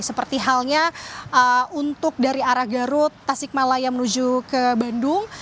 seperti halnya untuk dari arah garut tasikmalaya menuju ke bandung